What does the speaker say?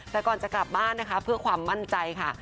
แต่ก่อนจะกลับบ้านนะคะเพื่อความมั่นใจค่ะ